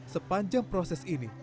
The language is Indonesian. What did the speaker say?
sepanjang proses ini